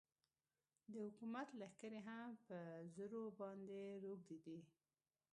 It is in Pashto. د حکومت لښکرې هم په زرو باندې روږدې دي.